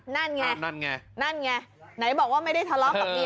นั่นไงนั่นไงนั่นไงไหนบอกว่าไม่ได้ทะเลาะกับเมีย